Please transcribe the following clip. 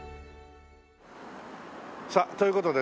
さあという事でね